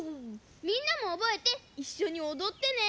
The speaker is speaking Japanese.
みんなもおぼえていっしょにおどってね！